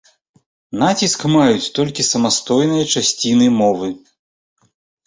Націск маюць толькі самастойныя часціны мовы.